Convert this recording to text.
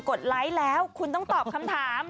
ดไลค์แล้วคุณต้องตอบคำถาม